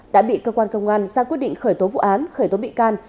đã bị cơ quan công an ra quyết định khởi tố vụ án khởi tố bị can